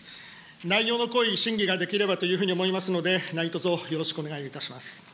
内容の濃い審議ができればというふうに思いますので、何とぞよろしくお願いいたします。